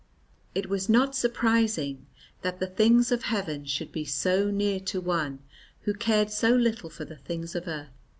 It was not surprising that the things of heaven should be so near to one who cared so little for the things of earth.